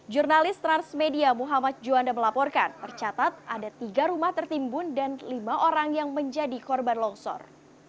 jurnalis transmedia muhammad juanda melaporkan tercatat ada tiga rumah tertimbun dan lima orang yang menjadi korban longsor